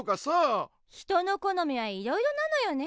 人の好みはいろいろなのよね。